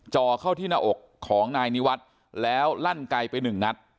จ่อเข้าที่หน้าอกของนายนิวัตรแล้วรั่นไกไป๑งัด